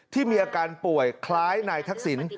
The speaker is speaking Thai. ที่มีอาการป่วยคล้ายนายทักษิณ